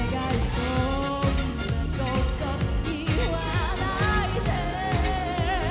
そんなコト言わないで」